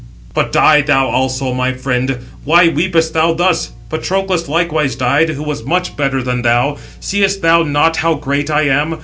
But die thou also, my friend; why weepest thou thus? Patroclus likewise died, who was much better than thou. Seest thou not how great I am?